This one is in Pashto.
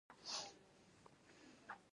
خو د ښځینه وو مزد د نارینه وو په پرتله کم دی